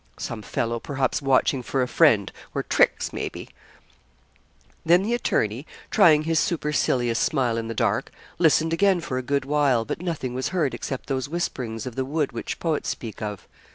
'Some fellow perhaps watching for a friend or tricks, maybe.' Then the attorney, trying his supercilious smile in the dark, listened again for a good while, but nothing was heard except those whisperings of the wind which poets speak of.